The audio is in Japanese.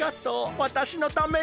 わたしのために。